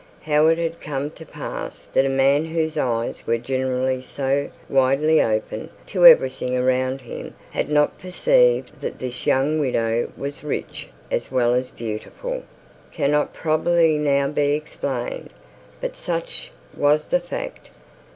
How it had come to pass that a man whose eyes were generally widely open to everything had not perceived that this young widow was rich as well as beautiful, cannot probably now be explained. But such was the fact.